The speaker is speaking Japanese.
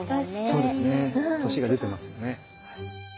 そうですね年が出てますよね。